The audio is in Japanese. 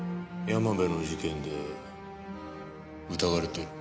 山辺の事件で疑われてる。